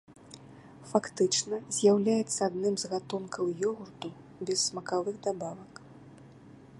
Фактычна з'яўляецца адным з гатункаў ёгурту без смакавых дабавак.